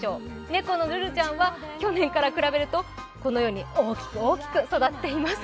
猫のるるちゃんは去年から比べると、このように大きく大きく育っています。